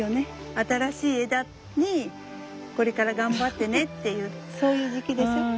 新しい枝にこれから頑張ってねっていうそういう時期でしょう？